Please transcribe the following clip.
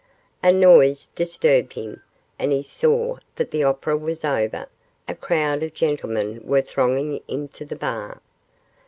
A noise disturbed him, and he saw that the opera was over, and a crowd of gentlemen were thronging into the bar.